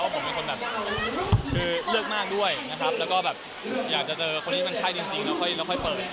ผมไม่ได้คุยว่าเป็นแฟนหรืออะไรนะครับ